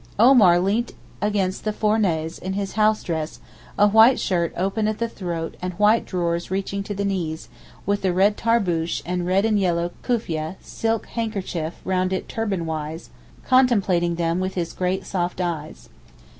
Omar leant against the fournaise in his house dress, a white shirt open at the throat and white drawers reaching to the knees, with the red tarboosh and red and yellow kufyeh (silk handkerchief) round it turban wise, contemplating them with his great, soft eyes.